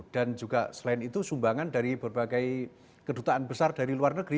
dan juga selain itu sumbangan dari berbagai kedutaan besar dari luar negeri